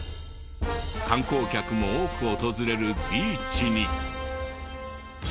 観光客も多く訪れるビーチに。